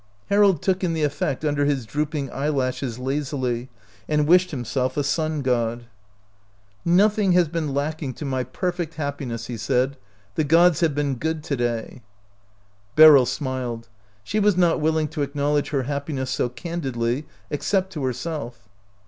Harold took in the effect under his droop ing eyelashes lazily, and wished himself a sun god. 85 OUT OF BOHEMIA " Nothing has been lacking to my perfect happiness," he said; "the gods have been good to day." Beryl smiled. She was not willing to ac knowledge her happiness so candidly, except to herself.